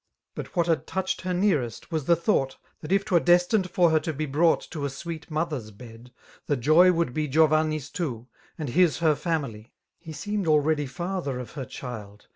But what had touched her nearitot, was the thought^ That if 'twere destined for her to be brought To a sweet mother's b^, the joy would be • Giovanni's too, and his her fbmUy :«— He seemed already fother of her.^ild.